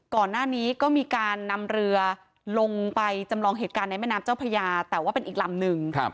ก่อนหน้านี้ก็มีการนำเรือลงไปจำลองเหตุการณ์ในแม่น้ำเจ้าพระยาแต่ว่าเป็นอีกลำหนึ่ง